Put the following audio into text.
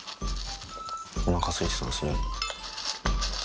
おなかすいてたんですね。